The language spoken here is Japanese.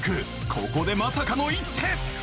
ここでまさかの一手！